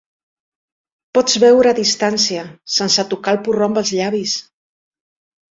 Pots beure a distància, sense tocar el porró amb els llavis